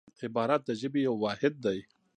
عبارت د ژبي یو واحد دئ.